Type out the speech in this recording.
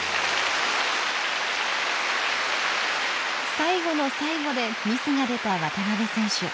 最後の最後でミスが出た渡辺選手。